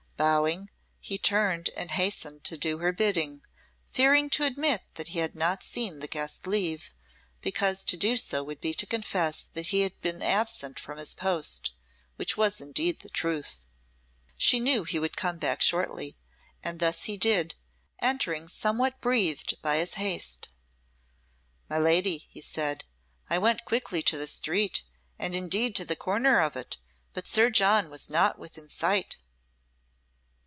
Bowing, he turned, and hastened to do her bidding, fearing to admit that he had not seen the guest leave, because to do so would be to confess that he had been absent from his post, which was indeed the truth. She knew he would come back shortly, and thus he did, entering somewhat breathed by his haste. "My lady," he said, "I went quickly to the street, and indeed to the corner of it, but Sir John was not within sight."